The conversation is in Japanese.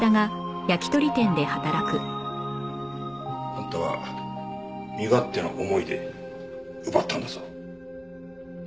あんたは身勝手な思いで奪ったんだぞ。